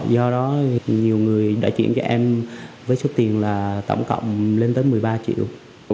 do đó nhiều người đã chuyển cho em với số tiền là tổng cộng lên tới một mươi ba triệu